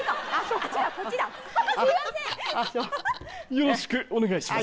よろしくお願いします。